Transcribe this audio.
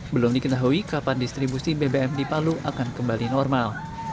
belum diketahui kapan distribusi bbm di palu akan kembali normal